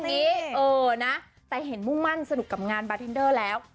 เออนะแต่เห็นมุ่งมั่นสนุกกับงานบาร์เทนเดอร์แล้ว